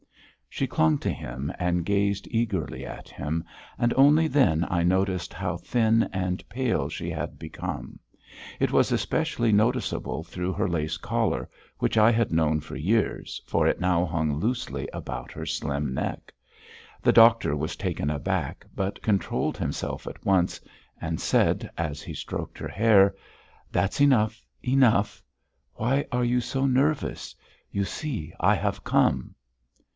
She clung to him, and gazed eagerly at him and only then I noticed how thin and pale she had become. It was especially noticeable through her lace collar, which I had known for years, for it now hung loosely about her slim neck. The doctor was taken aback, but controlled himself at once, and said, as he stroked her hair: "That's enough. Enough!... Why are you so nervous? You see, I have come."